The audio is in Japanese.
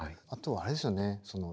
あとはあれですよね